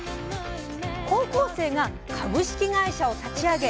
高校生が株式会社を立ち上げ